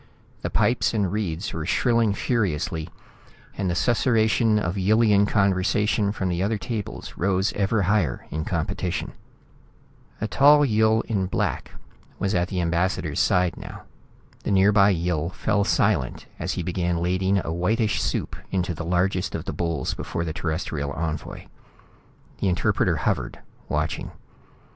The pipes and reeds were shrilling furiously, and the susurration of Yillian conversation from the other tables rose ever higher in competition. A tall Yill in black was at the ambassador's side now. The nearby Yill fell silent as he began ladling a whitish soup into the largest of the bowls before the Terrestrial envoy. The interpreter hovered, watching.